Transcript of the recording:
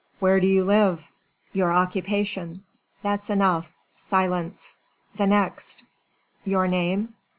"Where do you live?" "Your occupation?" "That's enough. Silence. The next." "Your name?"